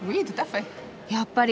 やっぱり。